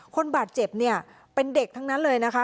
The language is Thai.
คนบาดเจ็บเนี่ยเป็นเด็กทั้งนั้นเลยนะคะ